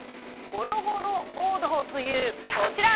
ゴロゴロ王道というこちら。